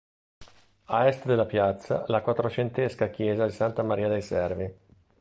A est della piazza la quattrocentesca chiesa di Santa Maria dei Servi.